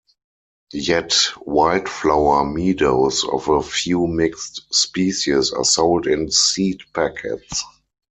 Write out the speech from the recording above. Yet "wildflower" meadows of a few mixed species are sold in seed packets.